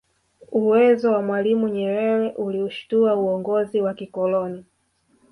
Uwezo wa mwalimu Nyerere uliushitua uongozi wa kikoloni